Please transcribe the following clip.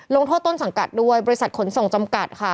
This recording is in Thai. ลงโทษต้นสังกัดด้วยบริษัทขนส่งจำกัดค่ะ